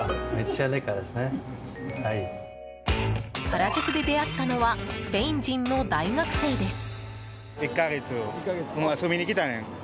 原宿で出会ったのはスペイン人の大学生です。